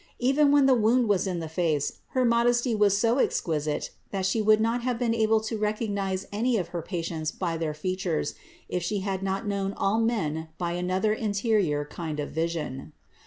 Even when the wound was in the face, her modesty was so exquisite that She would not have been able to recognize any of her patients by their features if She had not known all men by another interior kind of vision.